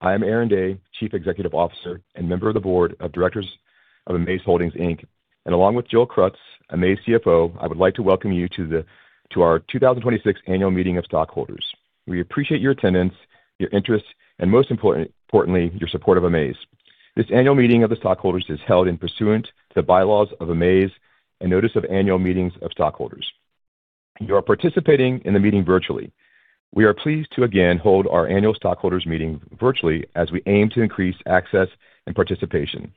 I am Aaron Day, Chief Executive Officer and member of the board of directors of Amaze Holdings, Inc. Along with Joel Krutz, Amaze CFO, I would like to welcome you to our 2026 Annual Meeting of Stockholders. We appreciate your attendance, your interest, and most importantly, your support of Amaze. This Annual Meeting of the Stockholders is held pursuant to the bylaws of Amaze and Notice of Annual Meeting of Stockholders. You are participating in the meeting virtually. We are pleased to again hold our Annual Stockholders Meeting virtually as we aim to increase access and participation.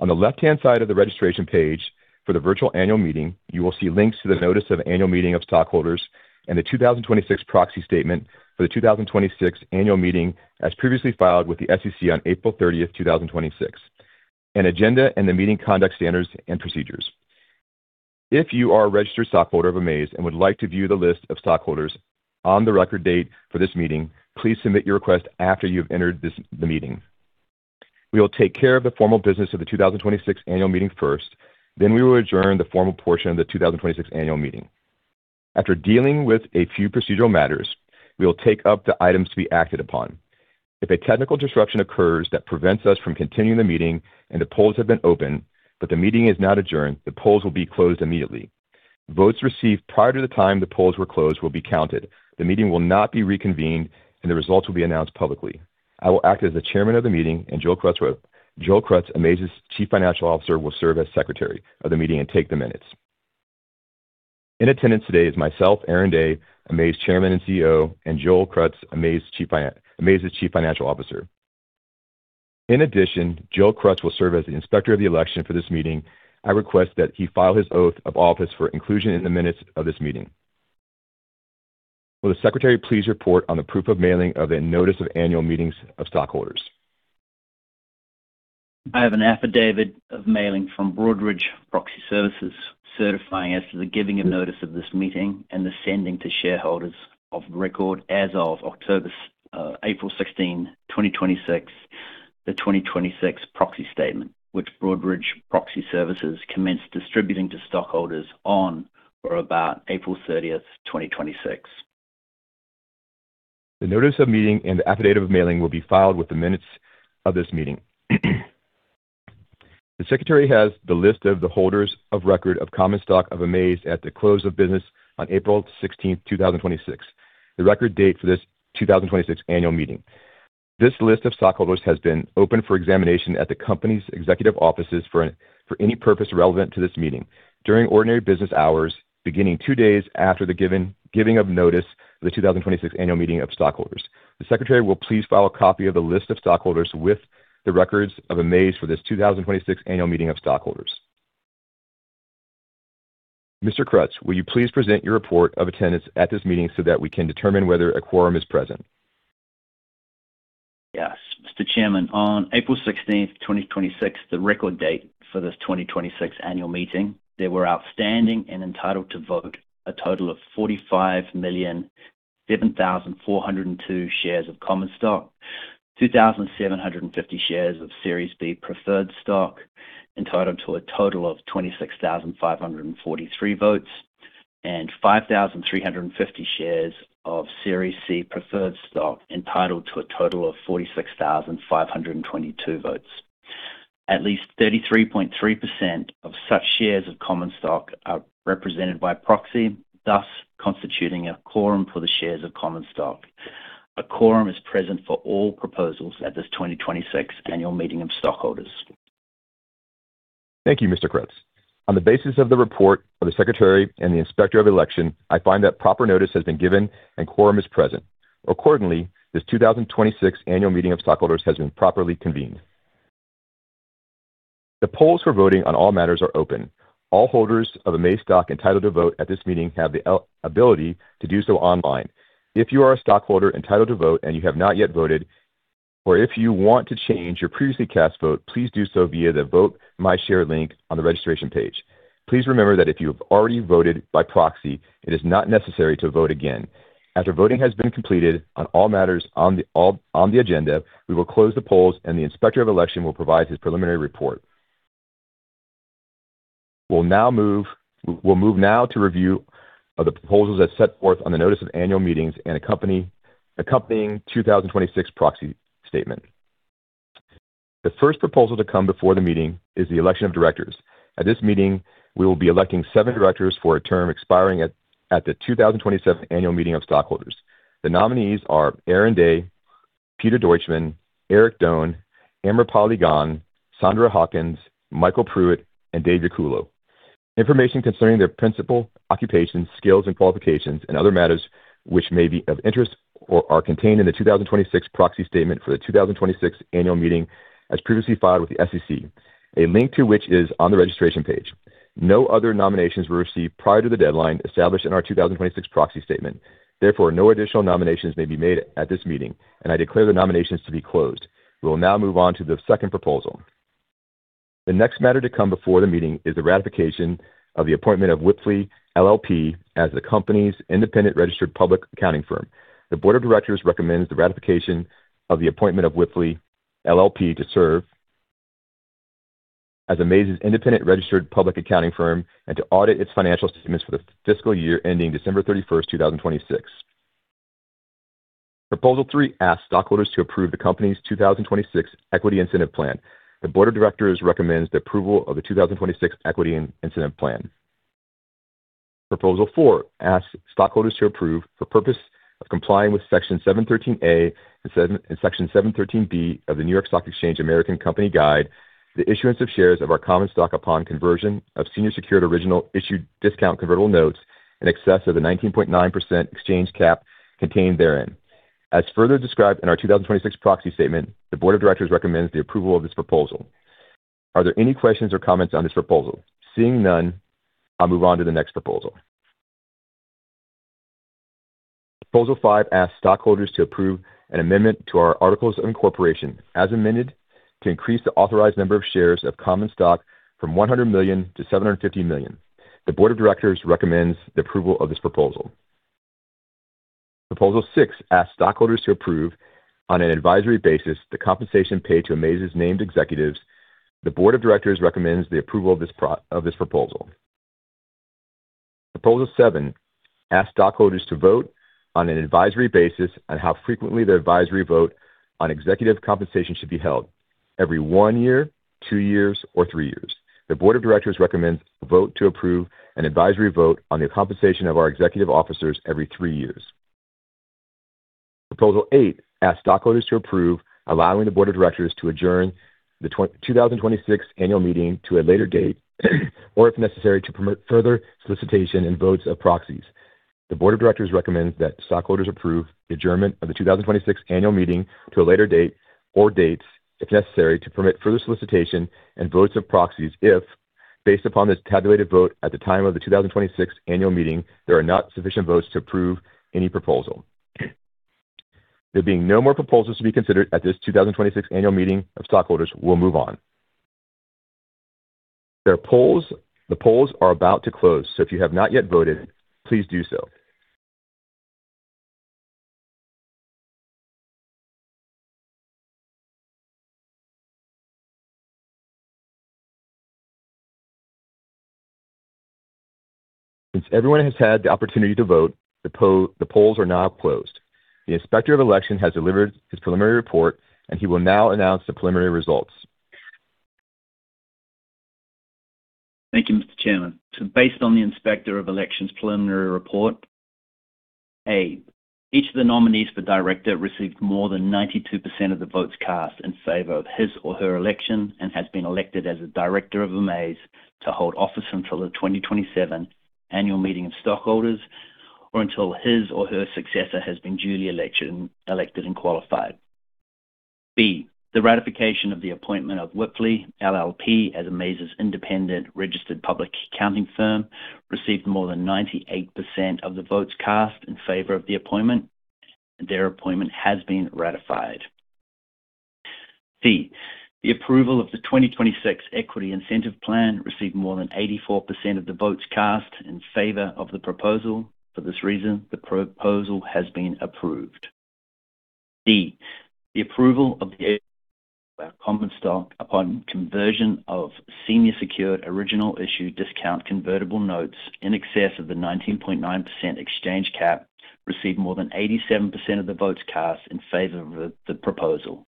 On the left-hand side of the registration page for the virtual annual meeting, you will see links to the Notice of Annual Meeting of Stockholders and the 2026 Proxy Statement for the 2026 Annual Meeting as previously filed with the SEC on April 30th, 2026. An agenda and the meeting conduct standards and procedures. If you are a registered stockholder of Amaze and would like to view the list of stockholders on the record date for this meeting, please submit your request after you've entered the meeting. We will take care of the formal business of the 2026 Annual Meeting first, then we will adjourn the formal portion of the 2026 Annual Meeting. After dealing with a few procedural matters, we will take up the items to be acted upon. If a technical disruption occurs that prevents us from continuing the meeting and the polls have been opened, but the meeting is not adjourned, the polls will be closed immediately. Votes received prior to the time the polls were closed will be counted. The meeting will not be reconvened, and the results will be announced publicly. I will act as the chairman of the meeting. Joel Krutz, Amaze's Chief Financial Officer, will serve as secretary of the meeting and take the minutes. In attendance today is myself, Aaron Day, Amaze Chairman and CEO, and Joel Krutz, Amaze's Chief Financial Officer. In addition, Joel Krutz will serve as the inspector of the election for this meeting. I request that he file his oath of office for inclusion in the minutes of this meeting. Will the Secretary please report on the proof of mailing of the Notice of Annual Meeting of Stockholders? I have an affidavit of mailing from Broadridge Proxy Services certifying as to the giving of notice of this meeting and the sending to shareholders of record as of April 16th, 2026, the 2026 Proxy Statement, which Broadridge Proxy Services commenced distributing to stockholders on or about April 30th, 2026. The notice of meeting and the affidavit of mailing will be filed with the minutes of this meeting. The Secretary has the list of the holders of record of common stock of Amaze at the close of business on April 16th, 2026, the record date for this 2026 annual meeting. This list of stockholders has been open for examination at the company's executive offices for any purpose relevant to this meeting during ordinary business hours, beginning two days after the giving of notice of the 2026 annual meeting of stockholders. The Secretary will please file a copy of the list of stockholders with the records of Amaze for this 2026 annual meeting of stockholders. Mr. Krutz, will you please present your report of attendance at this meeting so that we can determine whether a quorum is present? Yes. Mr. Chairman, on April 16th, 2026, the record date for this 2026 annual meeting, there were outstanding and entitled to vote a total of 45,007,402 shares of common stock, 2,750 shares of Series B preferred stock, entitled to a total of 26,543 votes, and 5,350 shares of Series C preferred stock, entitled to a total of 46,522 votes. At least 33.3% of such shares of common stock are represented by proxy, thus constituting a quorum for the shares of common stock. A quorum is present for all proposals at this 2026 annual meeting of stockholders. Thank you, Mr. Krutz. On the basis of the report of the Secretary and the Inspector of Election, I find that proper notice has been given and quorum is present. Accordingly, this 2026 annual meeting of stockholders has been properly convened. The polls for voting on all matters are open. All holders of Amaze stock entitled to vote at this meeting have the ability to do so online. If you are a stockholder entitled to vote and you have not yet voted, or if you want to change your previously cast vote, please do so via the Vote My Share link on the registration page. Please remember that if you have already voted by proxy, it is not necessary to vote again. After voting has been completed on all matters on the agenda, we will close the polls, and the Inspector of Election will provide his preliminary report. We'll move now to review of the proposals as set forth on the notice of annual meetings and accompanying 2026 proxy statement. The first proposal to come before the meeting is the election of directors. At this meeting, we will be electing seven directors for a term expiring at the 2027 annual meeting of stockholders. The nominees are Aaron Day, Pete Deutschman, Eric Doan, Amrapali Gan, Sandie Hawkins, Michael Pruitt, and David Yacullo. Information concerning their principal occupations, skills and qualifications, and other matters which may be of interest are contained in the 2026 proxy statement for the 2026 annual meeting as previously filed with the SEC, a link to which is on the registration page. No other nominations were received prior to the deadline established in our 2026 proxy statement. No additional nominations may be made at this meeting, and I declare the nominations to be closed. We will now move on to the second proposal. The next matter to come before the meeting is the ratification of the appointment of Wipfli, LLP as the company's independent registered public accounting firm. The board of directors recommends the ratification of the appointment of Wipfli, LLP to serve as Amaze's independent registered public accounting firm and to audit its financial statements for the fiscal year ending December 31st, 2026. Proposal three asks stockholders to approve the company's 2026 equity incentive plan. The board of directors recommends the approval of the 2026 equity incentive plan. Proposal four asks stockholders to approve, for purpose of complying with Section 713A and Section 713B of the NYSE American Company Guide, the issuance of shares of our common stock upon conversion of senior secured original issue discount convertible notes in excess of the 19.9% exchange cap contained therein. As further described in our 2026 proxy statement, the board of directors recommends the approval of this proposal. Are there any questions or comments on this proposal? Seeing none, I'll move on to the next proposal. Proposal five asks stockholders to approve an amendment to our articles of incorporation, as amended, to increase the authorized number of shares of common stock from $100 million to $750 million. The board of directors recommends the approval of this proposal. Proposal six asks stockholders to approve, on an advisory basis, the compensation paid to Amaze's named executives. The board of directors recommends the approval of this proposal. Proposal seven asks stockholders to vote on an advisory basis on how frequently the advisory vote on executive compensation should be held, every one year, two years, or three years. The board of directors recommends a vote to approve an advisory vote on the compensation of our executive officers every three years. Proposal eight asks stockholders to approve allowing the board of directors to adjourn the 2026 annual meeting to a later date, or if necessary, to permit further solicitation and votes of proxies. The board of directors recommends that stockholders approve the adjournment of the 2026 annual meeting to a later date or dates, if necessary, to permit further solicitation and votes of proxies if, based upon this tabulated vote at the time of the 2026 annual meeting, there are not sufficient votes to approve any proposal. There being no more proposals to be considered at this 2026 annual meeting of stockholders, we'll move on. The polls are about to close. If you have not yet voted, please do so. Since everyone has had the opportunity to vote, the polls are now closed. The Inspector of Election has delivered his preliminary report, and he will now announce the preliminary results. Thank you, Mr. Chairman. Based on the Inspector of Elections preliminary report, A, each of the nominees for director received more than 92% of the votes cast in favor of his or her election and has been elected as a director of Amaze to hold office until the 2027 annual meeting of stockholders or until his or her successor has been duly elected and qualified. B, the ratification of the appointment of Wipfli, LLP as Amaze's independent registered public accounting firm received more than 98% of the votes cast in favor of the appointment, and their appointment has been ratified. C, the approval of the 2026 equity incentive plan received more than 84% of the votes cast in favor of the proposal. For this reason, the proposal has been approved. D, the approval of the common stock upon conversion of senior secured original issue discount convertible notes in excess of the 19.9% exchange cap received more than 87% of the votes cast in favor of the proposal.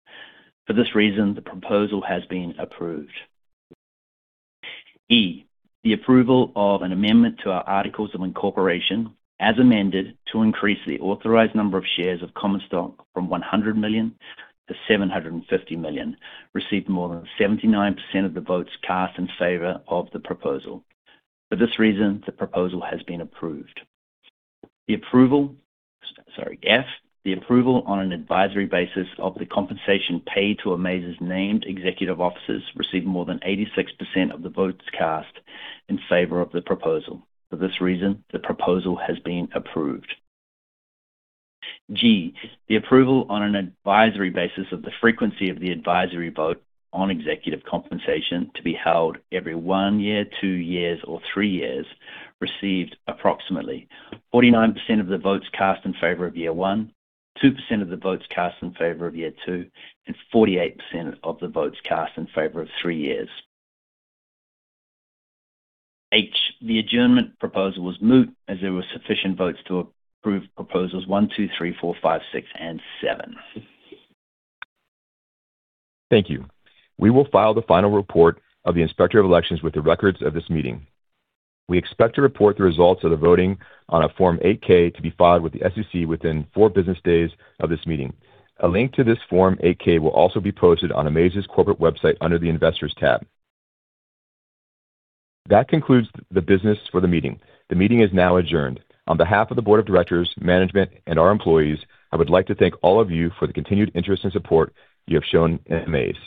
For this reason, the proposal has been approved. E, the approval of an amendment to our articles of incorporation, as amended, to increase the authorized number of shares of common stock from $100 million to $750 million, received more than 79% of the votes cast in favor of the proposal. For this reason, the proposal has been approved. F, the approval on an advisory basis of the compensation paid to Amaze's named executive officers received more than 86% of the votes cast in favor of the proposal. For this reason, the proposal has been approved. G, the approval on an advisory basis of the frequency of the advisory vote on executive compensation to be held every one year, two years, or three years, received approximately 49% of the votes cast in favor of year one, 2% of the votes cast in favor of year two, and 48% of the votes cast in favor of three years. H, the adjournment proposal was moot as there were sufficient votes to approve proposals one, two, three, four, five, six, and seven. Thank you. We will file the final report of the Inspector of Elections with the records of this meeting. We expect to report the results of the voting on a Form 8-K to be filed with the SEC within four business days of this meeting. A link to this Form 8-K will also be posted on Amaze's corporate website under the Investors tab. That concludes the business for the meeting. The meeting is now adjourned. On behalf of the board of directors, management, and our employees, I would like to thank all of you for the continued interest and support you have shown in Amaze.